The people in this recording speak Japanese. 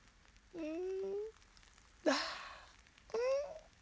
うん。